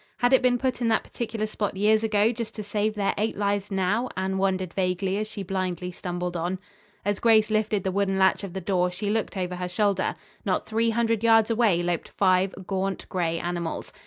Had it been put in that particular spot years ago just to save their eight lives now? Anne wondered vaguely as she blindly stumbled on. As Grace lifted the wooden latch of the door, she looked over her shoulder. Not three hundred yards away loped five gaunt, gray animals.